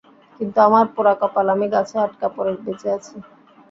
কিন্তু আমার পোড়া কপাল, আমি গাছে আটকা পড়ে বেঁচে যাই।